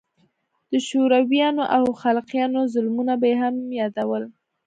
د شورويانو او خلقيانو ظلمونه به يې هم يادول.